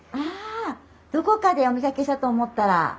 どこかでお見かけしたと思ったら。